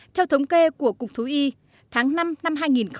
theo thống kê của cục thú y tháng năm năm hai nghìn một mươi chín